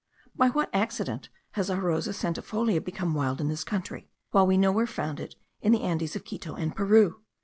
By what accident has our Rosa centifolia become wild in this country, while we nowhere found it in the Andes of Quito and Peru?